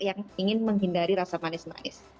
yang ingin menghindari rasa manis manis